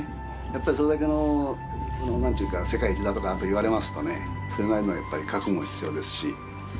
やっぱりそれだけの何ていうか「世界一だ」とか言われますとねそれなりのやっぱり覚悟が必要ですし。